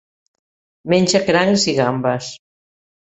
Menja crancs i gambes.